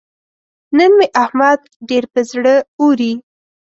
نن مې احمد ډېر پر زړه اوري.